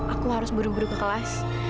aku harus buru buru ke kelas